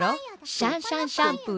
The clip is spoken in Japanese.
シャンシャンシャンプー。